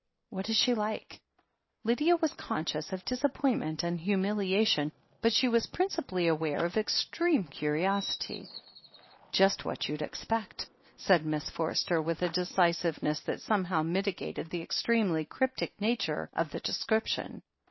"What is she like?" THE HEEL OF ACHILLES i8i Lydia was conscious of disappointment and humilia tion, but she was principally aware of extreme curiosity. "Just what you'd expect/' said Miss Forster, with a decisiveness that somehow mitigated the extremely cryptic nature of the description.